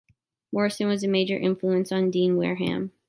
Morrison was a major influence on Dean Wareham.